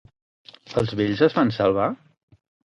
Els vells es van salvar?